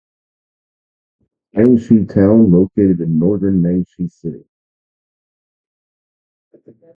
Mangshi Town located in northern Mangshi city.